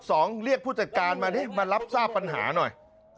เรียกผู้จัดการมาดิมารับทราบปัญหาหน่อย